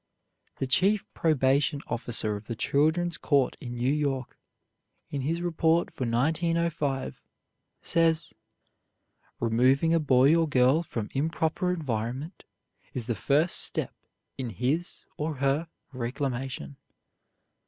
The chief probation officer of the children's court in New York, in his report for 1905, says: "Removing a boy or girl from improper environment is the first step in his or her reclamation."